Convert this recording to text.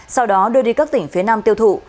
sau đó đưa đi các tỉnh phía nam tiêu thụ